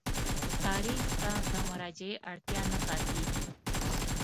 تاریخ ته د مراجعې اړتیا نه پاتېږي.